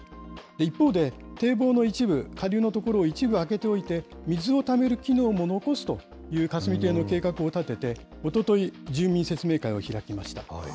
一方で、堤防の一部、下流の所を一部あけておいて、水をためる機能も残すという霞提の計画を立てて、おととい、住民説明会を開きました。